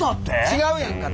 違うやんか！